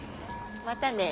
またね。